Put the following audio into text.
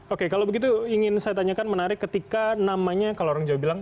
oke kalau begitu ingin saya tanyakan menarik ketika namanya kalau orang jawa bilang